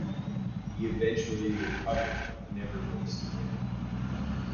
He eventually recovered, but never raced again.